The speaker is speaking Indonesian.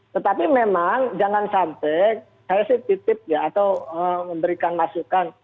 tetapi memang jangan sampai saya sih titip ya atau memberikan masukan